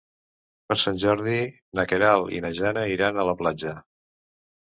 Per Sant Jordi na Queralt i na Jana iran a la platja.